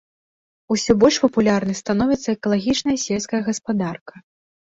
Усё больш папулярнай становіцца экалагічная сельская гаспадарка.